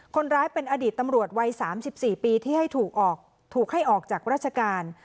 คนร้ายเป็นอดีตตำรวจวัย๓๔ปีที่ให้ถูกให้ออกจากราชการ